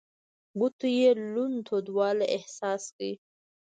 ګوتو يې لوند تودوالی احساس کړ.